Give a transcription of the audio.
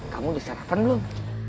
kamu udah sarapan belum